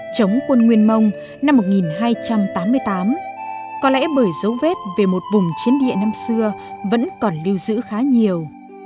chống quân nguyên mông năm một nghìn hai trăm tám mươi tám có lẽ bởi dấu vết về một vùng chiến địa năm xưa vẫn còn lưu giữ khá nhiều